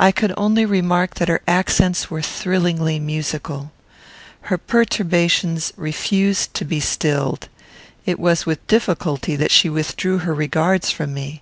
I could only remark that her accents were thrillingly musical. Her perturbations refused to be stilled. It was with difficulty that she withdrew her regards from me.